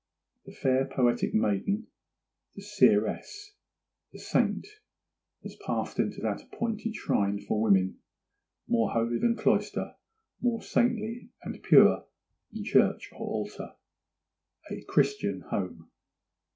The fair poetic maiden, the seeress, the saint, has passed into that appointed shrine for woman, more holy than cloister, more saintly and pure than church or altar—a Christian home.